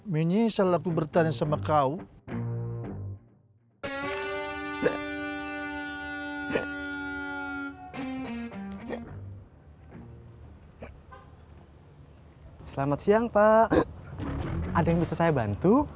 mingi salah ku bertanya sama kau